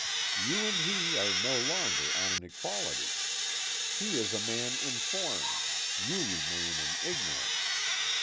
You and he are no longer on an equality. He is a man informed, you remain in ignorance.